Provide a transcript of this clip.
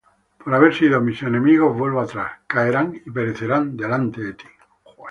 Por haber sido mis enemigos vueltos atrás: Caerán y perecerán delante de ti.